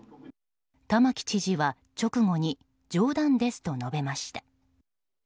玉城知事は直後に冗談ですと述べました。